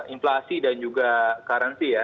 inflasi dan juga currency ya